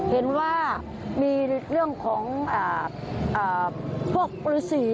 เห็นว่ามีเรื่องของพวกฤษี